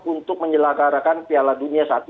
untuk menyelakarakan piala dunia saat ini